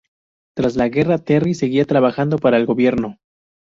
Tras la guerra Terry seguirá trabajando para el gobierno.